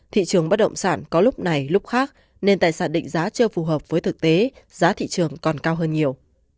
thị trường bất động sản có lúc này lúc khác nên tài sản định giá chưa phù hợp với thực tế giá thị trường còn cao hơn nhiều